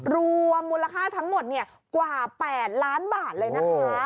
รวมมูลค่าทั้งหมดกว่า๘ล้านบาทเลยนะคะ